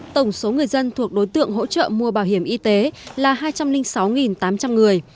tổng số người dân thuộc đối tượng hỗ trợ mua bảo hiểm y tế là hai trăm linh sáu tám trăm linh người